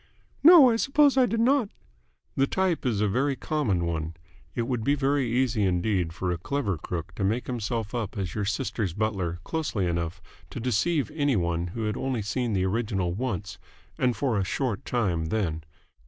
"No. I suppose I did not." "The type is a very common one. It would be very easy indeed for a clever crook to make himself up as your sister's butler closely enough to deceive any one who had only seen the original once and for a short time then.